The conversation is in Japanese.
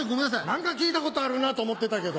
何か聞いたことあるなと思ってたけど。